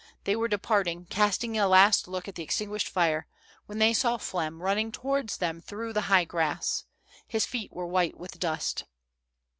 They were departing, casting a last look at the extinguished fire, when they saw Flem running towards them through the high grass. His feet were white witl) dust.